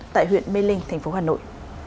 tại huyện mê linh tp hà nội